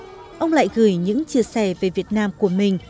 và cũng mỗi lúc như vậy ông lại gửi những chia sẻ về việt nam của mình